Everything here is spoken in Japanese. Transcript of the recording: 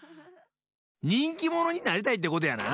にんきものになりたいってことやな？